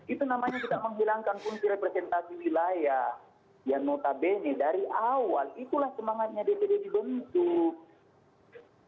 itu namanya tidak menghilangkan fungsi representasi wilayah yang notabene dari awal itulah semangatnya dpd dibentuk